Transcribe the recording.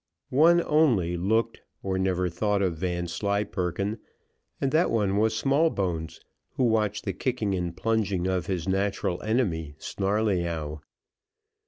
One only looked or never thought of Vanslyperken, and that one was Smallbones, who watched the kicking and plunging of his natural enemy, Snarleyyow.